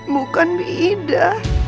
bukan bi ida